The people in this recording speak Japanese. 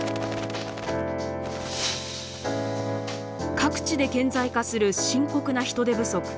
各地で顕在化する深刻な人手不足。